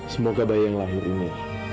semoga bayi yang lahir ini